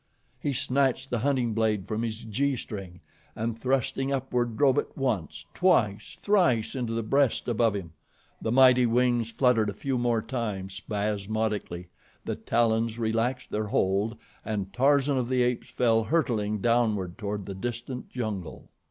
He snatched the hunting blade from his gee string and thrusting upward drove it once, twice, thrice into the breast above him. The mighty wings fluttered a few more times, spasmodically, the talons relaxed their hold, and Tarzan of the Apes fell hurtling downward toward the distant jungle.